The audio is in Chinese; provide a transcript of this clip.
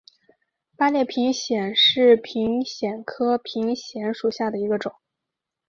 八列平藓为平藓科平藓属下的一个种。